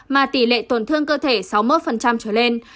mà tỷ lệ tổn thương cơ thể sáu mươi một trở lên